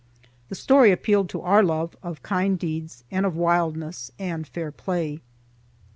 The story appealed to our love of kind deeds and of wildness and fair play.